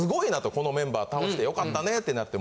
このメンバー倒してよかったねってなって。